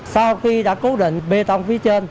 sau khi đã cố định bê tông phía trên